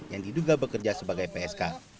yang diduga bekerja sebagai psk